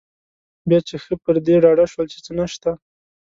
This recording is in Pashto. بیا چې ښه پر دې ډاډه شول چې څه نشته.